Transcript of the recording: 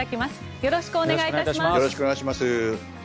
よろしくお願いします。